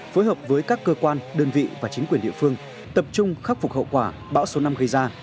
phối hợp với các cơ quan đơn vị và chính quyền địa phương tập trung khắc phục hậu quả bão số năm gây ra